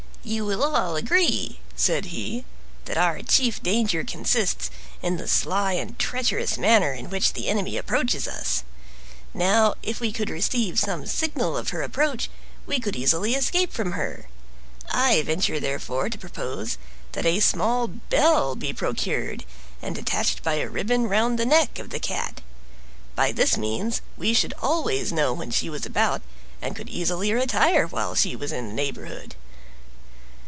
"You will all agree," said he, "that our chief danger consists in the sly and treacherous manner in which the enemy approaches us. Now, if we could receive some signal of her approach, we could easily escape from her. I venture, therefore, to propose that a small bell be procured, and attached by a ribbon round the neck of the Cat. By this means we should always know when she was about, and could easily retire while she was in the neighborhood."